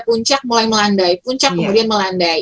puncak mulai melandai puncak kemudian melandai